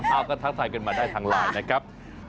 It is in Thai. เอาก็ทักทายกันมาได้ทางไลน์นะครับ